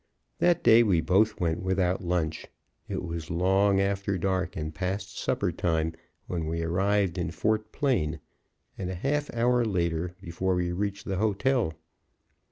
That day we both went without lunch. It was long after dark and past supper time when we arrived in Fort Plain, and a half hour later before we reached the hotel.